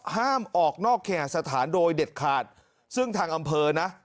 ห้ามออกนอกแขกสถานโดยเด็ดขาดซึ่งทางอำเภอนะ